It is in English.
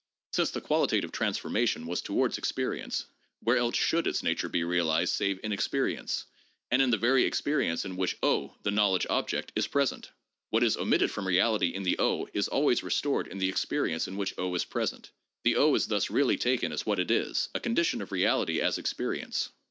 Since the qualitative transformation was towards experience, where else should its nature be realized save in experience — and in the very experience in which 0, the knowledge object, is present ?... What is omitted from reality in the O is always restored in the experience in which is present. The is thus really taken as what it is — a condition of reality as experience."